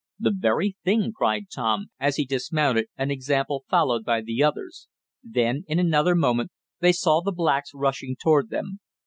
"The very thing!" cried Tom, as he dismounted, an example followed by the others. Then, in another moment, they saw the blacks rushing toward them.